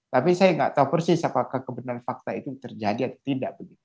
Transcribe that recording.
tapi saya nggak tahu persis apakah kebenaran fakta itu terjadi atau tidak